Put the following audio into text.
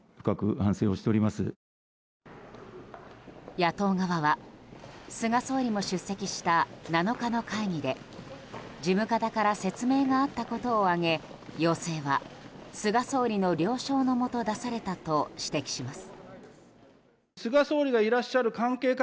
野党側は菅総理も出席した７日の会議で事務方から説明があったことを挙げ要請は菅総理の了承のもと出されたと指摘します。